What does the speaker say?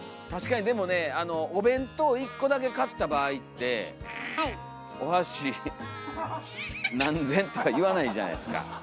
確かにでもねお弁当１個だけ買った場合って「お箸何膳」とか言わないじゃないですか。